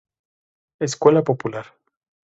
Escuela popular.